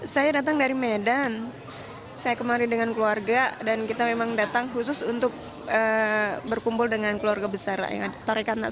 saya datang dari medan saya kemarin dengan keluarga dan kita memang datang khusus untuk berkumpul dengan keluarga besar yang ada